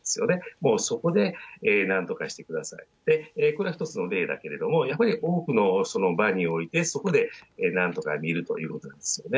もうそこでなんとかしてください、これは一つの例だけれども、やはり多くの場において、そこでなんとか診るということなんですよね。